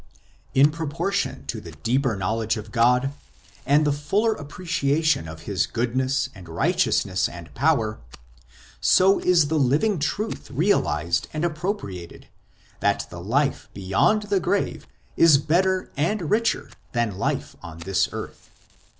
1 In proportion to the deeper knowledge of God and the fuller apprehension of His goodness and righteousness and power, so is the living truth realized and appropriated that the life beyond the grave is better and richer than life on this earth.